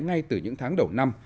ngay từ những tháng đầu năm